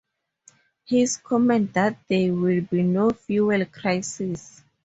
His comment that There will be no fuel crisis.